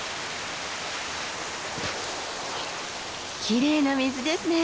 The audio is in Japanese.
きれいな水ですね。